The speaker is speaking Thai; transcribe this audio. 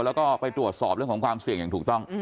แล้วก็ไปตรวจสอบเรื่องของความเสี่ยงอย่างถูกต้อง